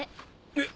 えっ？